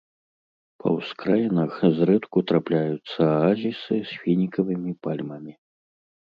Па ўскраінах зрэдку трапляюцца аазісы з фінікавымі пальмамі.